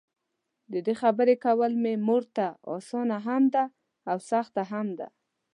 ددې خبري کول مې مورته؛ اسانه هم ده او سخته هم ده.